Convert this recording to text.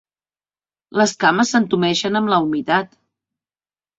Les cames s'entumeixen amb la humitat.